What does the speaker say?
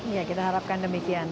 ya kita harapkan demikian